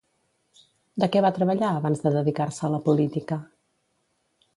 De què va treballar abans de dedicar-se a la política?